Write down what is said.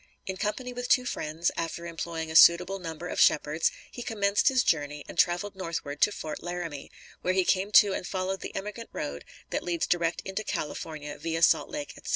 In company with two friends, after employing a suitable number of shepherds, he commenced his journey and traveled northward to Fort Laramie, where he came to and followed the emigrant road that leads direct into California via Salt Lake, etc.